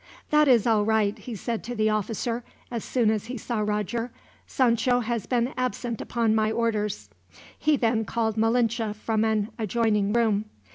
"That is all right," he said to the officer, as soon as he saw Roger. "Sancho has been absent upon my orders." He then called Malinche from an adjoining room.